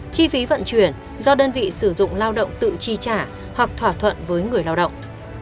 chi phí vận chuyển do đơn vị sử dụng lao động tự chi trả hoặc thỏa thuận với người lao động